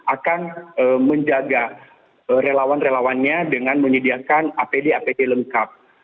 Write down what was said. akan menjaga relawan relawannya dengan menyediakan apd apd lengkap